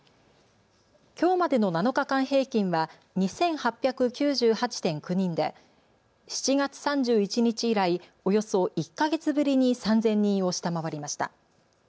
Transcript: きょうまでの７日間平均は２８９８．９人で７月３１日以来、およそ１か月ぶりに３０００人を下回りました。